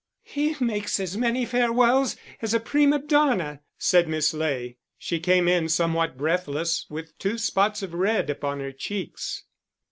"He makes as many farewells as a prima donna," said Miss Ley. She came in, somewhat breathless, with two spots of red upon her cheeks.